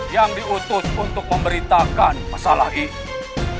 yang diutus untuk memberitakan masalah ini